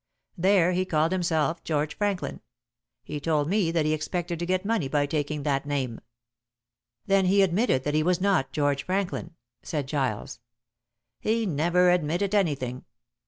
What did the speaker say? There he called himself George Franklin. He told me that he expected to get money by taking that name." "Then he admitted that he was not George Franklin," said Giles. "He never admitted anything.